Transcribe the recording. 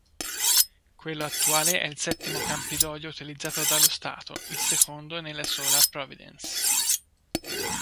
Quello attuale è il settimo campidoglio utilizzato dallo Stato, il secondo nella sola Providence.